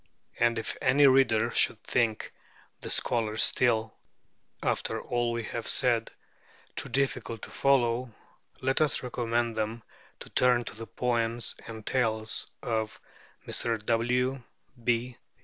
And if any reader should think the scholars still, after all we have said, too difficult to follow, let us recommend them to turn to the poems and tales of Mr. W. B.